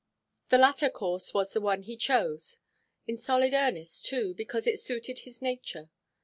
The latter course was the one he chose; in solid earnest, too, because it suited his nature.